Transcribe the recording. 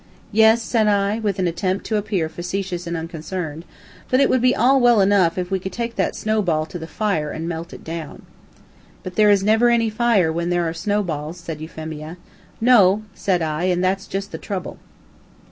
"Yes," said I, with an attempt to appear facetious and unconcerned, "but it would be all well enough if we could take that snow ball to the fire and melt it down." "But there never is any fire where there are snow balls," said Euphemia. "No," said I, "and that's just the trouble."